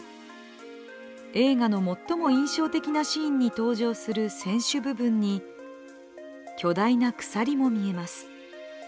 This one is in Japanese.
映画の最も印象的なシーンに登場する船首部分に、巨大な鎖も見えます。